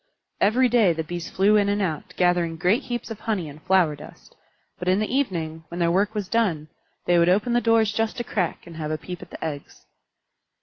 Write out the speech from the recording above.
Every day the Bees flew in and out, gathering great heaps of honey and flower dust; but in the evening, when their work was done, they would open the doors just a crack and have a peep at the eggs.